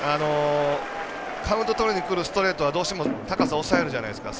カウントとりにくるストレートはどうしても高さを抑えるじゃないですか。